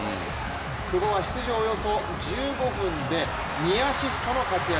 久保は出場時間およそ１５分で２アシストの活躍